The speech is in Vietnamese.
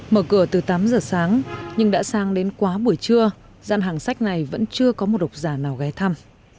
mở cửa từ tám giờ sáng nhưng đã sang đến quá buổi trưa gian hàng sách này vẫn chưa có một độc giả nào ghé thăm